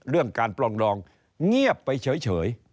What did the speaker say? เรื่องการปรองดองเงียบไปเฉย